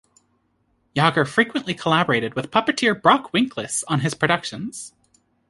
Yagher frequently collaborated with puppeteer Brock Winkless on his productions.